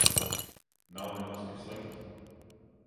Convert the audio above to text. Nav nemaz tik slikti.